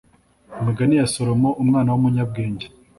imigani ya salomo umwana w’umunyabwenge